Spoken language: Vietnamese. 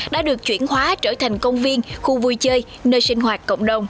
đã được chuyển hóa trở thành công viên khu vui chơi nơi sinh hoạt cộng đồng